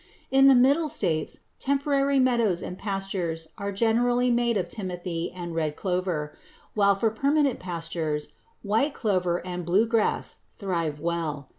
In the Middle States temporary meadows and pastures are generally made of timothy and red clover, while for permanent pastures white clover and blue grass thrive well.